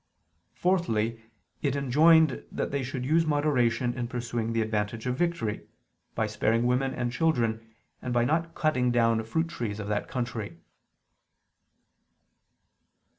Fourthly, it enjoined that they should use moderation in pursuing the advantage of victory, by sparing women and children, and by not cutting down fruit trees of that country.